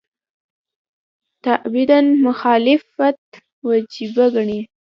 تعبداً مخالفت وجیبه ګڼي.